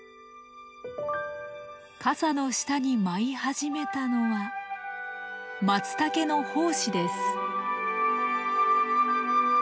かさの下に舞い始めたのはマツタケの胞子です。